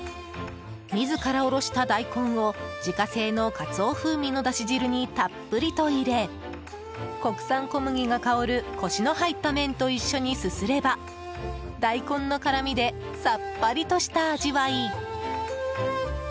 自ら下ろした大根を自家製のカツオ風味のだし汁にたっぷりと入れ国産小麦が香るコシの入った麺と一緒にすすれば大根の辛味でさっぱりとした味わい。